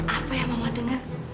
apa yang mama denger